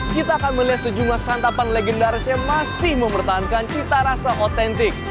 kita akan melihat sejumlah santapan legendaris yang masih mempertahankan cita rasa otentik